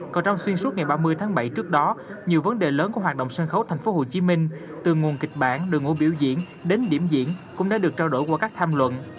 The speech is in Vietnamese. còn trong xuyên suốt ngày ba mươi tháng bảy trước đó nhiều vấn đề lớn của hoạt động sân khấu tp hcm từ nguồn kịch bản đường ngộ biểu diễn đến điểm diễn cũng đã được trao đổi qua các tham luận